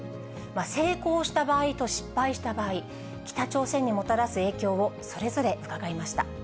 成功した場合と失敗した場合、北朝鮮にもたらす影響を、それぞれ伺いました。